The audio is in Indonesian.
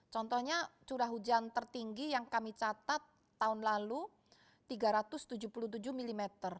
contohnya curah hujan tertinggi yang kami catat tahun lalu tiga ratus tujuh puluh tujuh mm